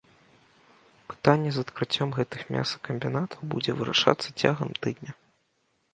Пытанне з адкрыццём гэтых мясакамбінатаў будзе вырашацца цягам тыдня.